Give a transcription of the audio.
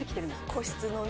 個室のね。